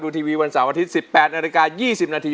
ทีวีวันเสาร์อาทิตย์๑๘นาฬิกา๒๐นาที